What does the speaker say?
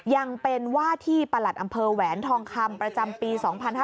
ยังเป็นว่าที่ประหลัดอำเภอแหวนทองคำประจำปี๒๕๕๙